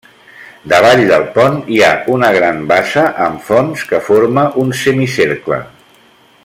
Davall del pont, hi ha una gran bassa amb fonts que forma un semicercle.